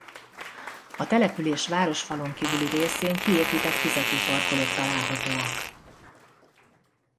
A település városfalon kívüli részén kiépített fizető parkolók találhatóak.